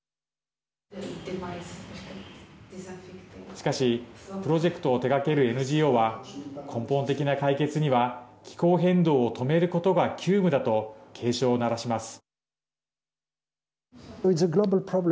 しかし、プロジェクトを手がけるＮＧＯは根本的な解決には気候変動を止めることが急務だと警鐘を鳴らします。